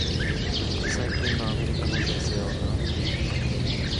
最近のアメリカの情勢は不安定だ。